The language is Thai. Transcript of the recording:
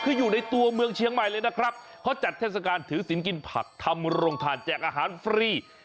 คืออยู่ในตัวเมืองเชียงใหม่เลยนะครับเขาจัดเทศกาลถือสินกินผักทำโรงทานแจกอาหารฟรี